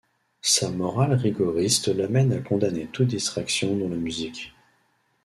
Sa morale rigoriste l'amène à condamner toute distraction dont la musique.